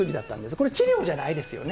これ、治療じゃないですよね。